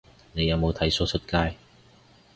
你有冇剃鬚出街